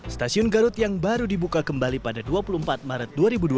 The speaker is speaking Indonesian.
stasiun garut yang baru dibuka kembali pada dua puluh empat maret dua ribu dua puluh